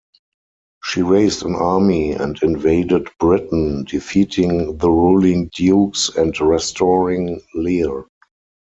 She raised an army and invaded Britain, defeating the ruling dukes and restoring Leir.